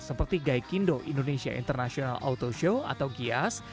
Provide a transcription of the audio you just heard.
seperti gaikindo indonesia international auto show atau gias